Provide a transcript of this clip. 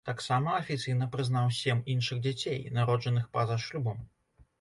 Таксама афіцыйна прызнаў сем іншых дзяцей, народжаных па-за шлюбам.